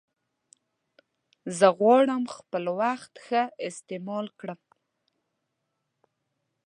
زه غواړم خپل وخت ښه استعمال کړم.